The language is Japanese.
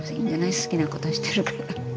好きなことしてるから。